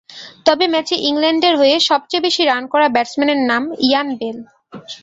তবে ম্যাচে ইংল্যান্ডের হয়ে সবচেয়ে বেশি রান করা ব্যাটসম্যানের নাম ইয়ান বেল।